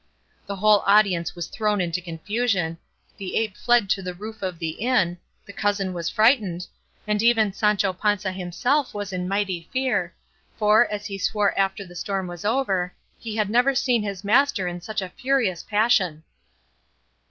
The whole audience was thrown into confusion, the ape fled to the roof of the inn, the cousin was frightened, and even Sancho Panza himself was in mighty fear, for, as he swore after the storm was over, he had never seen his master in such a furious passion.